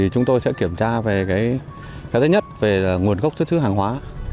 chúng tôi sẽ kiểm tra về cái thứ nhất về nguồn gốc xuất xứ hàng hóa